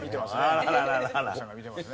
奥さん見てますね。